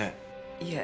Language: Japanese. いえ。